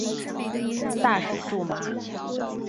大水苎麻